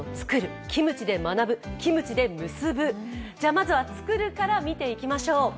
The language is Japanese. まずは「作る」から見ていきましょう。